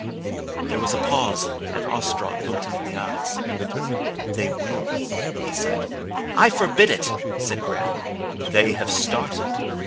There was a pause and Ostrog looked him in the eyes. "They will," he said. "I forbid it," said Graham. "They have started."